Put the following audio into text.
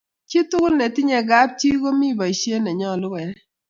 chi tugul netinye kab chi ko mi bishiet nenyalu koai